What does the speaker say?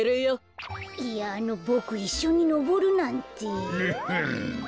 いやあのボクいっしょにのぼるなんて。おっほん。